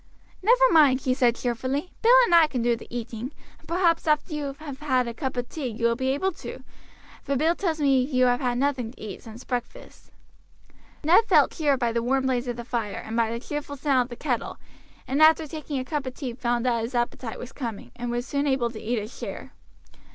"Never mind," she said cheerfully. "Bill and I can do the eating, and perhaps after you have had a cup of tea you will be able to, for Bill tells me you have had nothing to eat since breakfast." Ned felt cheered by the warm blaze of the fire and by the cheerful sound of the kettle, and after taking a cup of tea found that his appetite was coming, and was soon able to eat his share.